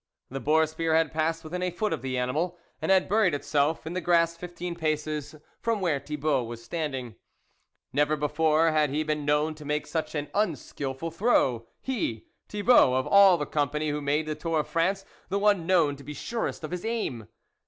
The boar spear had passed within a foot of the animal, and had buried itself in the grass fifteen paces from where Thibault was standing. Never before had he been known to make such an unskilful throw ; he, Thibault, of all the company who made the tour of France, the one known to be surest of his aim